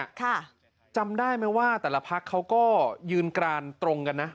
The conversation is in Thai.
อาศัยเนี่ยจำได้ไหมว่าแต่ละภาคเขาก็ยืนกรานตรงกันนะ